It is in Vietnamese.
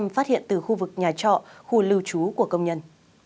một mươi hai phát hiện từ khu vực nhà trọ khu lưu trú của công nhân